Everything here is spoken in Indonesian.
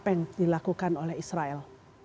apa yang dilakukan oleh israel